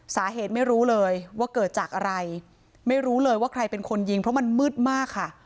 ไม่รู้เลยว่าเกิดจากอะไรไม่รู้เลยว่าใครเป็นคนยิงเพราะมันมืดมากค่ะ